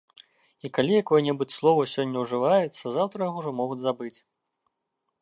І калі якое-небудзь слова сёння ўжываецца, заўтра яго ўжо могуць забыць.